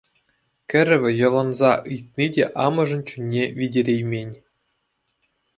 Кӗрӗвӗ йӑлӑнса ыйтни те амӑшӗн чунне витереймен.